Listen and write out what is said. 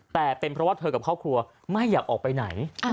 แต่เป็นเพราะว่าเธอกับครอบครัวไม่อยากออกไปไหน